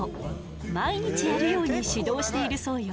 毎日やるように指導しているそうよ。